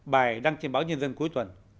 bài đăng trên báo nhân dân cuối tuần